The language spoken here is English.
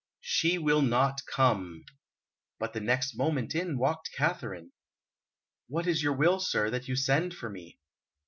"She will not come." But the next moment in walked Katharine. "What is your will, sir, that you send for me?"